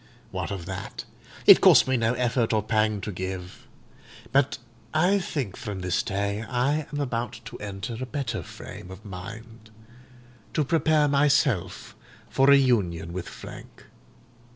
What of that? It cost me no effort or pang to give. But I think from this day I am about to enter a better frame of mind, to prepare myself for reunion with Frank.